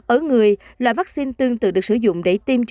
ở người loại vaccine tương tự được sử dụng để tiêm chủng cho những ca phê